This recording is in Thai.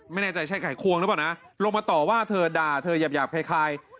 ไม่แน่ใจใช่ไข่ควงหรือเปล่านะลงมาต่อว่าเธอด่าเธอหยาบคล้าย